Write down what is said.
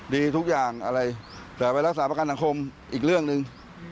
ดีทุกอย่างอะไรแต่ไปรักษาประกันสังคมอีกเรื่องหนึ่ง